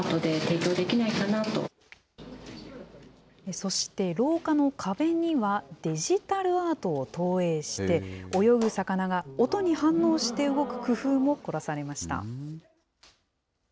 そして、廊下の壁にはデジタルアートを投影して、泳ぐ魚が音に反応して動く工夫も凝らされました。